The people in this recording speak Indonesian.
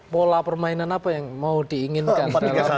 pola permainan apa yang mau diinginkan